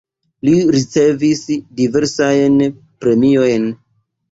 Li ricevis diversajn premiojn.